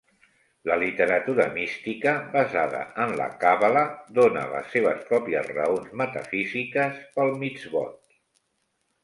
La literatura mística, basada en la Càbala, dóna les seves pròpies raons metafísiques pel mitzvot.